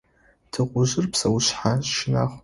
Тыгъужъыр псэушъхьэ щынагъу.